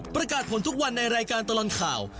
ประกาศผลทุกวันในรายการตลอดข่าว